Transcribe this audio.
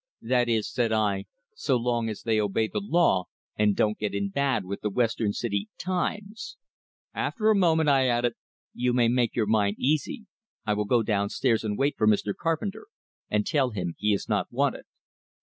"That is," said I, "so long as they obey the law, and don't get in bad with the Western City 'Times'!" After a moment I added, "You may make your mind easy. I will go downstairs and wait for Mr. Carpenter, and tell him he is not wanted."